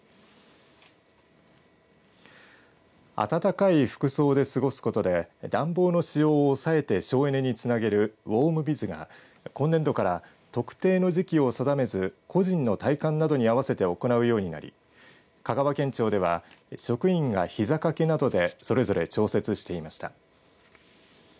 暖かい服装で過ごすことで暖房の使用を抑えて省エネにつなげるウォームビズが今年度から特定の時期を定めず個人の体感などに合わせて行うようになり香川県庁では職員がひざ掛けなどでそれぞれ調節していました。